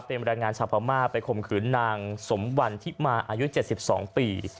เป็นแรงงานชาวพม่าไปข่มขืนนางสมวันที่มาอายุ๗๒ปี